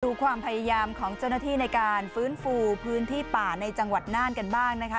ดูความพยายามของเจ้าหน้าที่ในการฟื้นฟูพื้นที่ป่าในจังหวัดน่านกันบ้างนะคะ